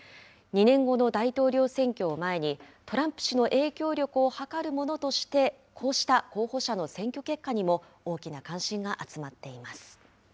２年後の大統領選挙を前に、トランプ氏の影響力をはかるものとして、こうした候補者の選挙結果にも大きな関心が集まっています。